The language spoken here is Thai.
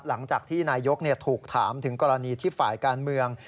หลังจากที่นายกถูกถามถึงกรณีที่ฝ่ายการเมือง